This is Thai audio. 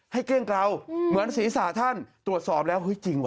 ให้เกล้งกราวเหมือนศิษฐาท่านตรวจสอบแล้วจริงว่ะ